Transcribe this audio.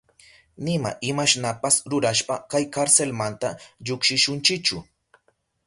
Nima imashnapas rurashpa kay karselmanta llukshishunchichu.